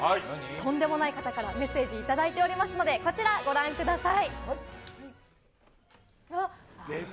とんでもない方からメッセージ頂いておりますので、こちら、ご覧ください。